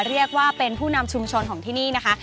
เรียกว่าเป็นผู้นำชุมชนของที่นี่นะคะ